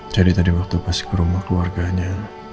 jadi tadi waktu pas ke rumah keluarganya